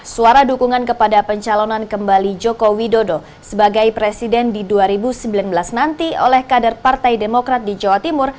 suara dukungan kepada pencalonan kembali joko widodo sebagai presiden di dua ribu sembilan belas nanti oleh kader partai demokrat di jawa timur